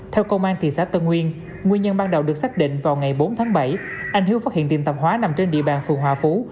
theo công an thị xã tân nguyên nhân ban đầu được xác định vào ngày bốn tháng bảy anh hiếu phát hiện tiệm tạp hóa nằm trên địa bàn phường hòa phú